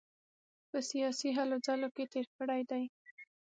په سیاسي هلو ځلو کې تېر کړی دی.